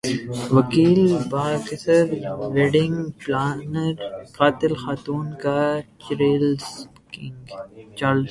وکیل boxer wedding planner قاتل خاتون کا چڑیلز گینگ